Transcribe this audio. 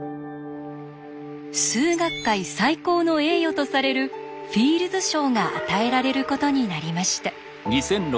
数学界最高の栄誉とされるフィールズ賞が与えられることになりました。